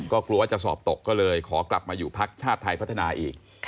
ก็กลัวว่าจะสอบตกก็เลยขอกลับมาอยู่พักชาติไทยพัฒนาอีก